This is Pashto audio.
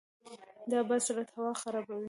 د باد سرعت هوا خړوبوي.